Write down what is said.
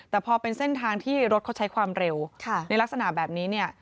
แต่พอเป็นเส้นทางที่รถเขาใช้ความเร็วในลักษณะแบบนี้เนี่ย